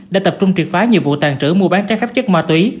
đã tập trung triệt phái nhiệm vụ tàn trữ mua bán trái phép chất ma túy